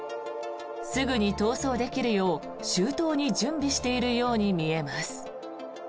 すぐに逃走できるよう周到に準備しているように見えます。